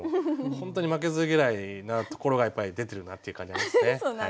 本当に負けず嫌いなところがやっぱり出てるなという感じありますね。